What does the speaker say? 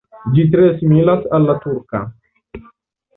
Ĝi tre similas al la turka.